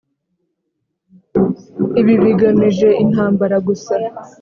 ibi bigamije intambara gusa